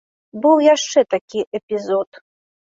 Быў яшчэ такі эпізод.